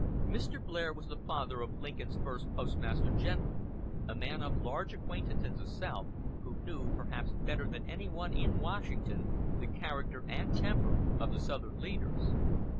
Mr. Blair was the father of Lincoln's first Postmaster General, a man of large acquaintance in the South, who knew perhaps better than anyone in Washington the character and temper of the southern leaders.